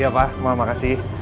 iya pak terima kasih